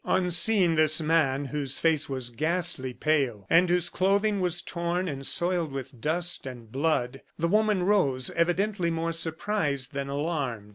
On seeing this man, whose face was ghastly pale, and whose clothing was torn and soiled with dust and blood, the woman rose, evidently more surprised than alarmed.